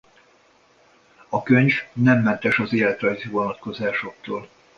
A könyv nem mentes az életrajzi vonásoktól.